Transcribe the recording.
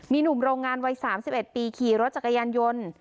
มีหนุ่มโรงงานวัย๓๑ปีขี่รถจักรยานยนต์